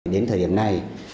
đến thời điểm này